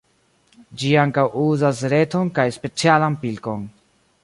Ĝi ankaŭ uzas reton kaj specialan pilkon.